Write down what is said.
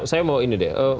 saya mau ini deh